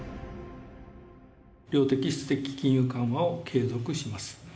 量的、質的金融緩和を継続します。